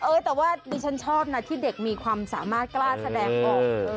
เออแต่ว่าดิฉันชอบนะที่เด็กมีความสามารถกล้าแสดงออก